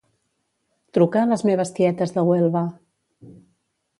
Truca a les meves tietes de Huelva.